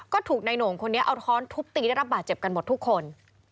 ก็ถูกนายโหน่งคนนี้เอาท้อนทุบตีได้รับบาดเจ็บกันหมดทุกคน